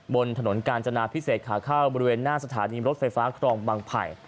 บนถนนกาญจนาพิเศษขาเข้าบริเวณหน้าสถานีรถไฟฟ้าครองบางไผ่